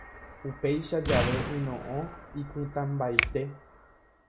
Upéicha jave yno'õ ipytãmbaite.